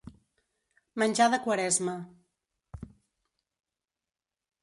Menjar de Quaresma.